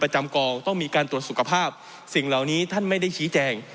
เพราะมันก็มีเท่านี้นะเพราะมันก็มีเท่านี้นะ